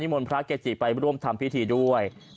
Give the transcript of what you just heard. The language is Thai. มนต์พระเกจิไปร่วมทำพิธีด้วย